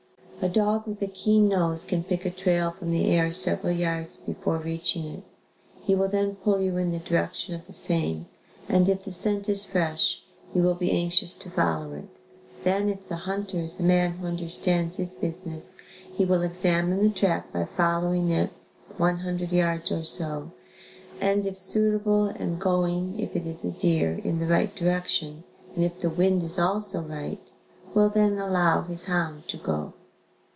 A dog with a keen nose can pick a trail from the air several yards before reaching it. He will then pull you in the direction of the same and if the scent is fresh, he will be anxious to follow it, then if the hunter is a man who understands his business, he will examine the track by following it 100 yards or so and if suitable and going (if it is a deer) in the right direction and if the wind is also right, will then allow his hound to go.